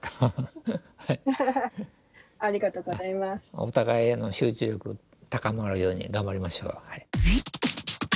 お互い集中力高まるように頑張りましょう。